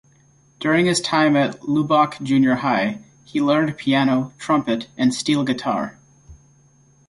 During his time at Lubbock Junior High, he learned piano, trumpet and steel guitar.